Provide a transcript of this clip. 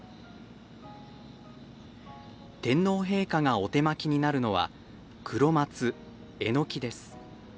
天皇陛下がお手播きになるのはクロマツ、エノキです。